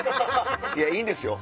いやいいんですよ